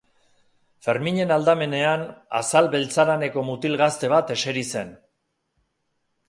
Ferminen aldamenean azal beltzaraneko mutil gazte bat eseri zen.